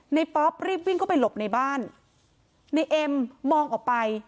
ป๊อปรีบวิ่งเข้าไปหลบในบ้านในเอ็มมองออกไป